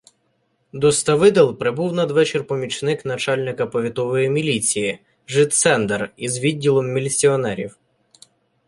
До Ставидел прибув надвечір помічник начальника повітової міліції жид Сендер із відділом міліціонерів.